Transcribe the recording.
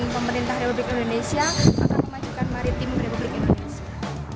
dan kami bersinergi dengan pemerintah republik indonesia kemajukan maritim republik indonesia